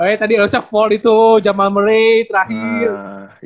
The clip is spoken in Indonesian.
oh iya tadi lu se fall itu jamal murray terakhir